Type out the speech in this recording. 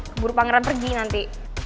keburu pangeran pergi nanti